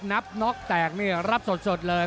นับน็อกแตกนี่รับสดเลย